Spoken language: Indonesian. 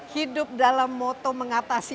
hidup dalam moto mengatasi